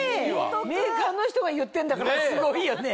メーカーの人が言ってんだからすごいよね。